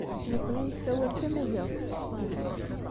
Nekkni nessawal tamaziɣt n uxxam.